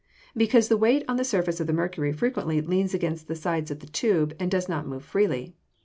_ Because the weight on the surface of the mercury frequently leans against the sides of the tube, and does not move freely.